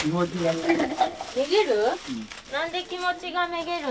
めげる？